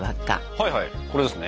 はいはいこれですね。